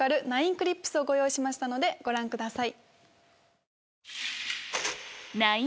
ＣＬＩＰＳをご用意しましたのでご覧ください。